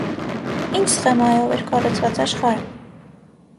Ի՞նչ սխեմայով էր կառուցված աշխարհը։